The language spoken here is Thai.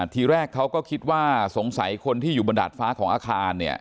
ทีแรกเขาก็คิดว่าสงสัยคนที่อยู่บนดาดฟ้าของอาคารเนี่ย